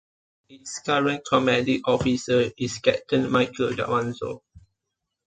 Its current commanding officer is Captain Michael Davanzo.